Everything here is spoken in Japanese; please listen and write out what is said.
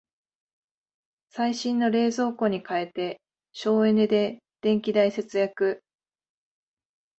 最新の冷蔵庫に替えて省エネで電気代節約